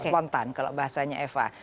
spontan kalau bahasanya eva